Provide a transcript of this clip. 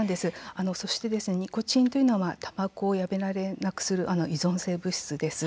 そしてニコチンというのはたばこをやめられなくする依存性物質です。